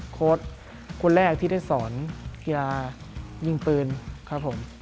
โค้ดคนแรกที่ได้สอนกีฬายิงปืนครับผม